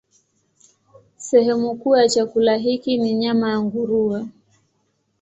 Sehemu kuu ya chakula hiki ni nyama ya nguruwe.